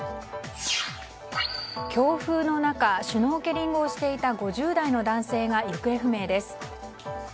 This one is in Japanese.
強風の中シュノーケリングをしていた５０代の男性が行方不明です。